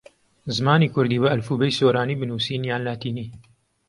زمانی کوردی بە ئەلفوبێی سۆرانی بنووسین یان لاتینی؟